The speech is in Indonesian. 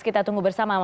kita tunggu bersama